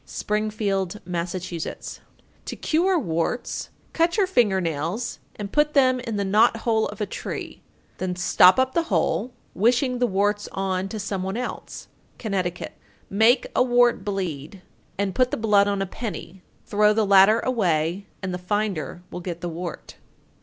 Springfield, Mass. 903. To cure warts: Cut your finger nails and put them in the knothole of a tree; then stop up the hole, wishing the warts on to some one else. Connecticut. 904. Make a wart bleed, and put the blood on a penny, throw the latter away, and the finder will get the wart.